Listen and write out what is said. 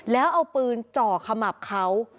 แล้วเอาปืนจ่อขมับเขา